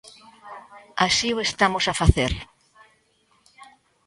Así o estamos a facer.